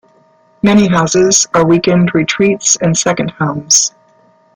Many houses are weekend retreats and second homes.